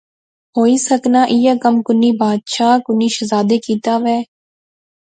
ہوئی سکنا کہ ایہہ کم کُنی بادشاہ، کنی شہزادے کیتیا وہے